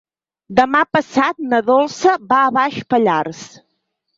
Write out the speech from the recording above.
Demà passat na Dolça va a Baix Pallars.